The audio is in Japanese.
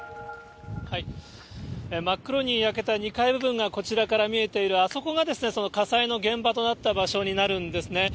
真っ黒に焼けた２階部分がこちらから見えている、あそこがその火災の現場となった場所になるんですね。